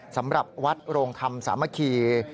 สำหรับวัดโรงธรรมสามัคคี